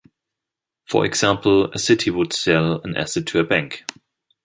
For example, a city would sell an asset to a bank.